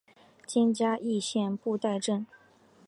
今嘉义县布袋镇。